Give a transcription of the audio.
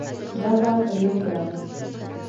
دغه پرېکړه